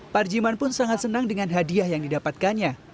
parjiman pun sangat senang dengan hadiah yang didapatkannya